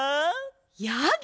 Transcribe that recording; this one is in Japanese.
やぎ！